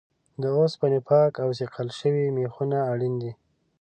د اوسپنې پاک او صیقل شوي میخونه اړین دي.